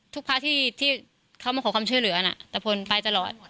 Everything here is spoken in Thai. พระที่เขามาขอความช่วยเหลือน่ะตะพลไปตลอด